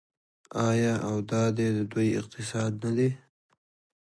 آیا او دا دی د دوی اقتصاد نه دی؟